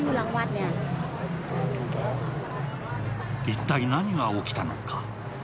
一体、何が起きたのか？